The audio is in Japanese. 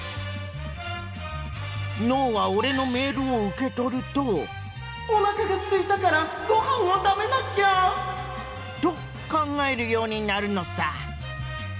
脳はオレのメールをうけとると「おなかがすいたからごはんを食べなきゃ」とかんがえるようになるのさ。